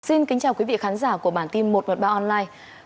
xin kính chào quý vị khán giả của bản tin một trăm một mươi ba online